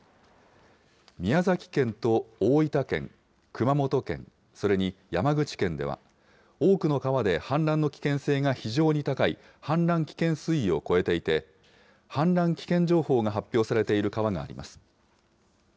宮崎県と大分県、熊本県、それに山口県では、多くの川で氾濫の危険性が非常に高い、氾濫危険水位を超えていて、氾濫危険情報が発表されている川があります。